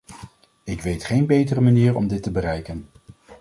Ik weet geen betere manier om dit te bereiken.